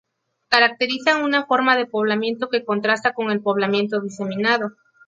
Caracterizan una forma de poblamiento que contrasta con el poblamiento diseminado.